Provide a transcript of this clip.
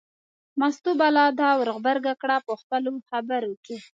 مستو به لا دا ور غبرګه کړه په خپلو خبرو کې.